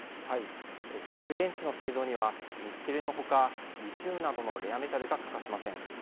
蓄電池の製造にはニッケルのほか、リチウムなどのレアメタルが欠かせません。